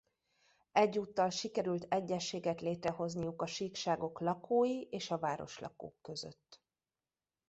Egyúttal sikerült egyezséget létrehozniuk a síkságok lakói és a városlakók között.